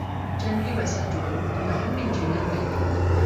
جنګي وسایل جوړوونکو ته هم انجینر ویل کیده.